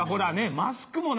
マスクな。